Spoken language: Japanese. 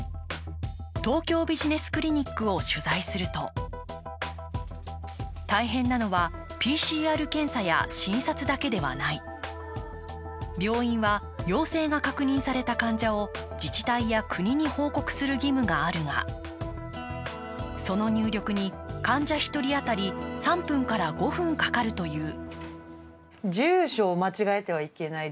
東京ビジネスクリニックを取材すると大変なのは、ＰＣＲ検査や診察だけではない。病院は陽性が確認された患者を自治体や国に報告する義務があるが、その入力に患者１人当たり３分から５分かかるという。